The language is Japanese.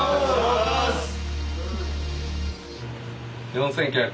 ４９００